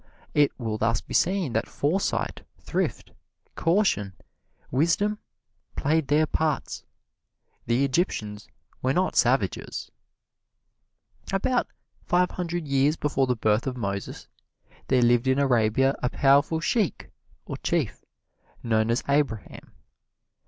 It will thus be seen that foresight, thrift, caution, wisdom, played their parts. The Egyptians were not savages. About five hundred years before the birth of Moses there lived in Arabia a powerful Sheik or Chief, known as Abraham.